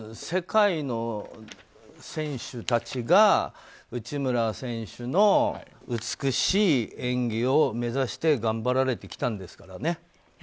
世界の選手たちが内村選手の美しい演技を目指して頑張られてきたんですからね。